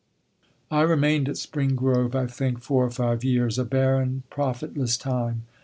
I remained at Spring Grove, I think, four or five years, a barren, profitless time.